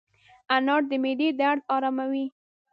انار د معدې درد اراموي.